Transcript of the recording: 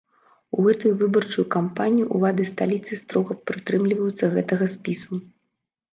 У гэтую выбарчую кампанію ўлады сталіцы строга прытрымліваюцца гэтага спісу.